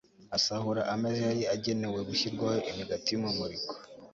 asahura ameza yari agenewe gushyirwaho imigati y'umumuriko